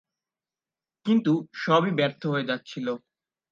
কিন্তু সবই ব্যর্থ হয়ে যাচ্ছিল।